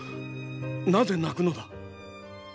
なぜ泣くのだ？